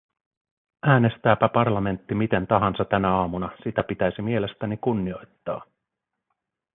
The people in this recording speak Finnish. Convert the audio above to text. Äänestääpä parlamentti miten tahansa tänä aamuna, sitä pitäisi mielestäni kunnioittaa.